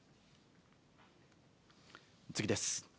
次です。